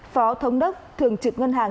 phó thống đốc thường trực ngân hàng